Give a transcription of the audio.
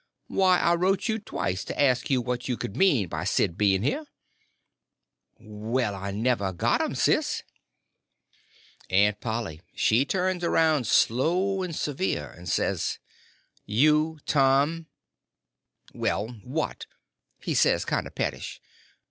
Why, I wrote you twice to ask you what you could mean by Sid being here." "Well, I never got 'em, Sis." Aunt Polly she turns around slow and severe, and says: "You, Tom!" "Well—what?" he says, kind of pettish.